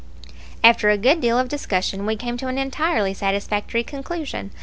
After a good deal of discussion, we came to an entirely satisfactory conclusion.